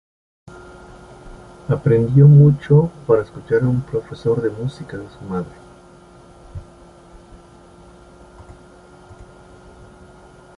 Aprendió mucho para escuchar a un profesor de música de su madre.